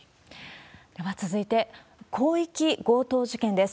では続いて、広域強盗事件です。